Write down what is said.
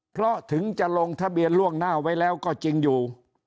เพราะถึงจะลงทะเบียนล่วงหน้าไว้แล้วก็จริงอยู่